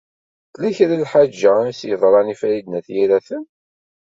Tella kra lḥeǧa i s-yeḍṛan i Farid n At Yiraten.